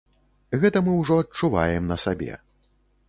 Гэта мы ўжо адчуваем на сабе.